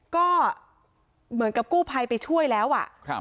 ก็เหมือนกับกู้ภัยไปช่วยแล้วอ่ะ